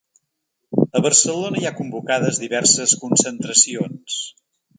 A Barcelona hi ha convocades diverses concentracions.